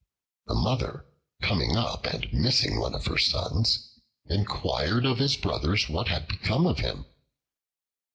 The Mother coming up, and missing one of her sons, inquired of his brothers what had become of him.